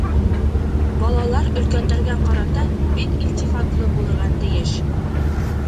Балалар өлкәндәргә ҡарата бик илтифатлы булырға тейеш.